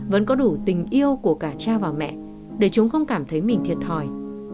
vẫn có đủ tình yêu của cả cha và mẹ để chúng không cảm thấy mình thiệt thòi